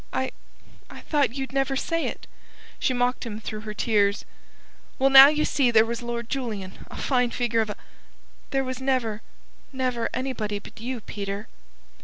"I... I thought you'd never say it," she mocked him through her tears. "Well, now, ye see there was Lord Julian, a fine figure of a...." "There was never, never anybody but you, Peter."